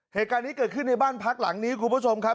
เหตุการณ์นี้เกิดขึ้นในบ้านพักหลังนี้คุณผู้ชมครับ